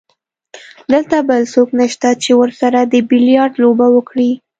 دلته بل څوک نشته چې ورسره د بیلیارډ لوبه وکړي.